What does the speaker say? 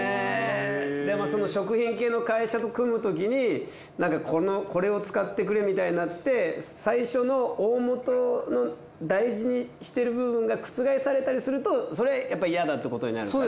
でもその食品系の会社と組むときにこれを使ってくれみたいになって最初のおおもとの大事にしている部分が覆されたりするとそれはやっぱりイヤだっていうことになるから。